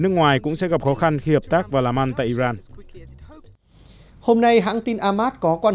nước ngoài cũng sẽ gặp khó khăn khi hợp tác vào laman tại iran hôm nay hãng tin ahmad có quan